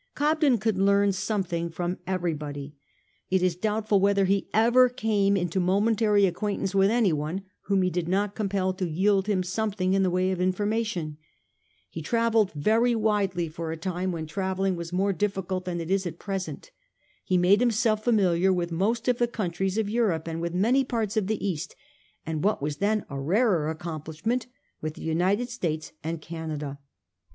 Cob den could learn something from everybody. It is doubtful whether he ever came even into momentary acquaintance with anyone whom he did not compel to yield him something in the way of information. He travelled very widely for a time when travelling was more difficult work than it is at present. He made himself familiar with most of the countries of Europe, with many parts of the East, and what was then a rarer accomplishment, with the United States and Canada.